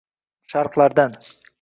Sharhlardan: